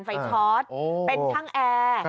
ชอตเป็นช่างแอร์